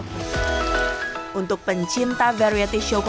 karena kerap mencintai warga warga yang berbeda